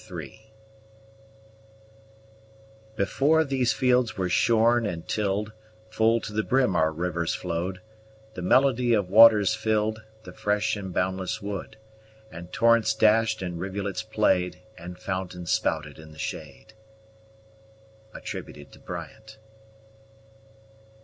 Before these fields were shorn and till'd, Full to the brim our rivers flow'd; The melody of waters fill'd The fresh and boundless wood; And torrents dash'd, and rivulets play'd, And fountains spouted in the shade. BRYANT.